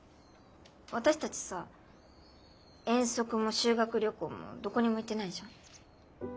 私たちさ遠足も修学旅行もどこにも行ってないじゃん。